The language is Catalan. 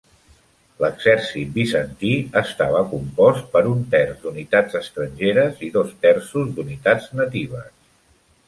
L'exèrcit bizantí estava compost per un terç d'unitats estrangeres i dos terços d'unitats natives.